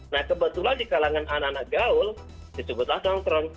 nah kebetulan di kalangan anak anak gaul disebutlah nongkrong